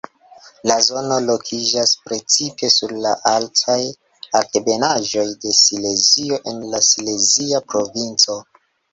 La zono lokiĝas precipe sur la altaj altebenaĵoj de Silezio en la Silezia provinco.